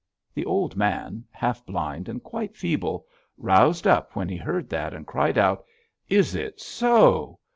The old man, half blind and quite feeble, roused up when he heard that, and cried out: "Is it so?